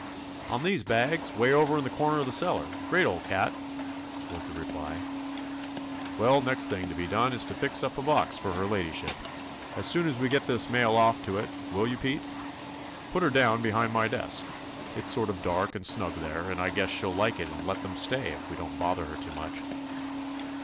"On these bags, 'way over in the corner of the cellar. Great old cat," was the reply. "Well, next thing to be done is to fix up a box for her ladyship. As soon as we get this mail off see to it, 24 TOMMY POSTOFFICE will you, Pete^ Put her down be hind my desk; it's sort of dark and snug there, and I guess she '11 like it and let them stay if we don't bother her too much."